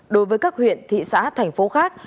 đối với các huyện thị xã thành phố khác